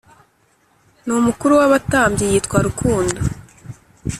Ni umukuru w’abatambyi yitwa rukundo